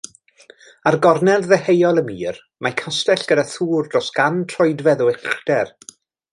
Ar gornel ddeheuol y mur mae castell gyda thŵr dros gan troedfedd o uchder.